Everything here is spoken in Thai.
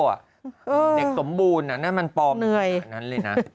เด็กสมบูรณ์น่ะนั่นมันปลอมอยู่ข้างนั้นเลยนะ